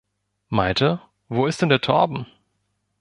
Malte, wo ist denn der Torben?